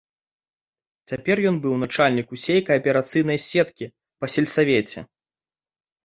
Цяпер ён быў начальнік усёй кааперацыйнай сеткі па сельсавеце.